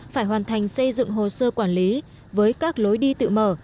phải hoàn thành xây dựng hồ sơ quản lý với các lối đi tự mở